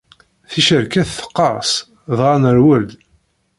Ticerket teqqers, dɣa nerwel-d.